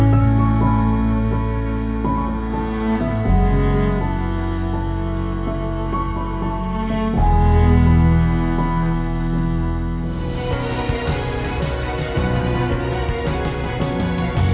itu hanya kata kata jumlah mata mereka